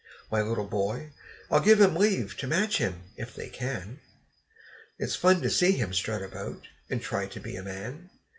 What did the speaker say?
My little boy I'll give 'em leave to match him, if they can; It's fun to see him strut about, and try to be a man!